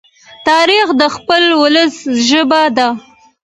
تاریخ د خپل ولس ژبه ده.